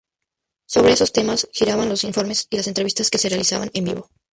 Sobre esos temas giraban los informes y las entrevistas que se realizaban en vivo.